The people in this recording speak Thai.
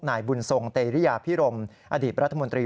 นายบุญทรงเตรียพิรมอดีตรัฐมนตรี